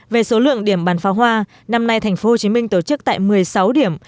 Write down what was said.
về số lượng điểm bán pháo hoa năm nay tp hcm tổ chức tại một mươi sáu điểm